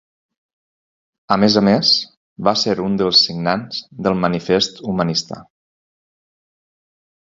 A més a més, va ser un dels signants del Manifest humanista.